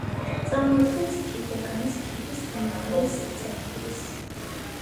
წარმოადგენს კიდეგანის ქედის უმაღლეს წერტილს.